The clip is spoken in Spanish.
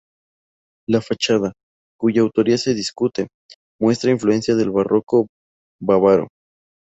La fachada, cuya autoría se discute, muestra influencia del barroco bávaro.